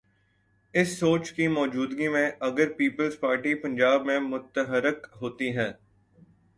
اس سوچ کی موجودگی میں، اگر پیپلز پارٹی پنجاب میں متحرک ہوتی ہے۔